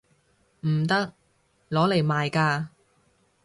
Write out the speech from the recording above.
唔得！攞嚟賣㗎